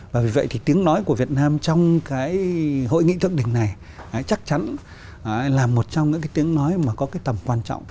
và vì vậy thì tiếng nói của việt nam trong cái hội nghị thượng đỉnh này chắc chắn là một trong những cái tiếng nói mà có cái tầm quan trọng